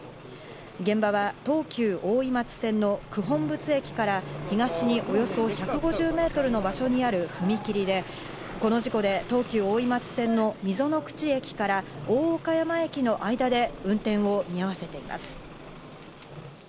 現場は東急大井町線の九品仏駅から東におよそ１５０ｍの場所にある踏み切りで、この事故で東急大井町線の溝の口駅から大岡山駅の間で運転を見合わせています。